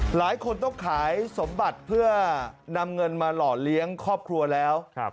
หลายคนต้องขายสมบัติเพื่อนำเงินมาหล่อเลี้ยงครอบครัวแล้ว